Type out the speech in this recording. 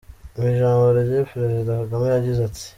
Mu ijambo rye Perezida Kagame yagize ati:.